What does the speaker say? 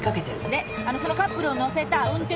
であのそのカップルを乗せた運転手さん